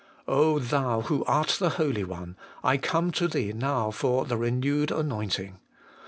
Thou, who art the Holy One, I come to Thee now for the renewed anointing.